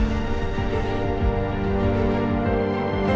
kaga ada yangmemakannya